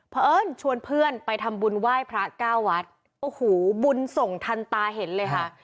เพราะเอิ้นชวนเพื่อนไปทำบุญไหว้พระเก้าวัดโอ้โหบุญส่งทันตาเห็นเลยค่ะ